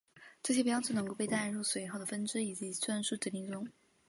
这些标志能够被带入随后的分支及算术指令中。